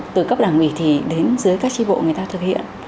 từ cấp đảng ủy thì đến dưới các tri bộ người ta thực hiện